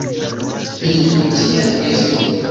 Nu, tiel estu.